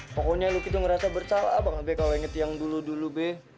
pokoknya lucky tuh ngerasa bersalah banget be kalau ngetiang dulu dulu be